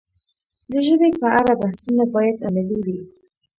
د ژبې په اړه بحثونه باید علمي وي.